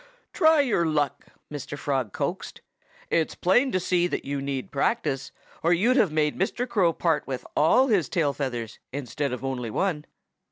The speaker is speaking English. "Try your luck!" Mr. Frog coaxed. "It's plain to see that you need practice, or you'd have made Mr. Crow part with all his tail feathers, instead of only one."